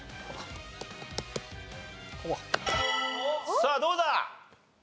さあどうだ？